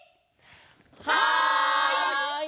はい！